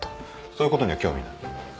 そういうことには興味ない。